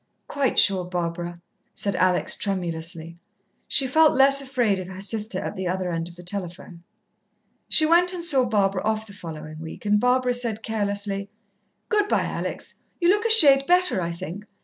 "Quite sure, Barbara," said Alex tremulously. She felt less afraid of her sister at the other end of the telephone. She went and saw Barbara off the following week, and Barbara said carelessly: "Good bye, Alex. You look a shade better, I think.